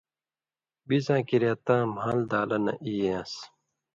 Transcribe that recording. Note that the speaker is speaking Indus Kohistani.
بِڅاں کریا تاں مھال دالہ نہ ای یان٘س